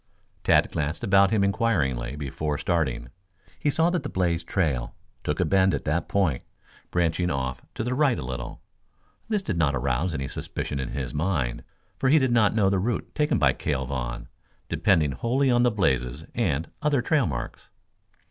Tad glanced about him inquiringly before starting. He saw that the blazed trail took a bend at that point, branching off to the right a little. This did not arouse any suspicion in his mind, for he did not know the route taken by Cale Vaughn, depending wholly on the blazes and other trail marks.